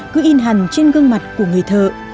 cứ in hằn trên gương mặt của người thợ